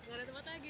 gak ada tempat lagi